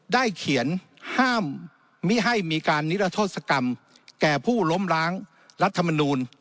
เขียนห้ามมิให้มีการนิรโทษกรรมแก่ผู้ล้มล้างรัฐมนูล